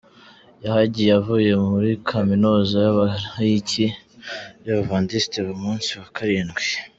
Yahagiye avuye muri Kaminuza y’Abalayiki b’Abadivantisite b’Umunsi wa Karindwi.